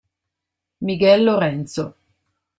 Miguel Lorenzo